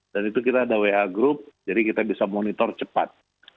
dan itu kita ada wa group jadi kita bisa monitor cepat